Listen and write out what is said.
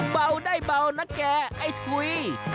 เบาได้เบานะแกไอ้ทุย